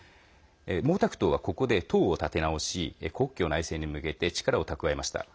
毛沢東は、ここで党を立て直し国共内戦に向けて力を蓄えました。